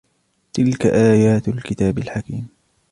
تلك آيات الكتاب الحكيم